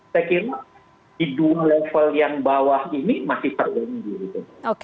saya kira di level yang bawah ini masih tergenggir itu